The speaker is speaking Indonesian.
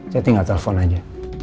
saya tinggal telepon aja